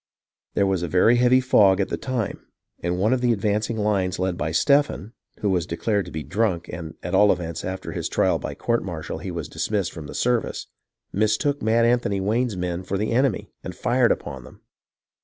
There was a very heavy fog at the time, and one of the advancing lines led by Stephen (who was declared to be drunk, and at all events, after his trial by court martial, he was dismissed from the service) mistook Mad Anthony Wayne's men for the enemy, and fired upon them.